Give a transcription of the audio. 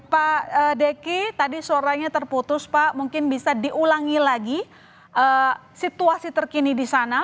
pak deki tadi suaranya terputus pak mungkin bisa diulangi lagi situasi terkini di sana